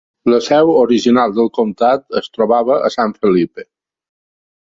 La seu original del comtat es trobava a San Felipe.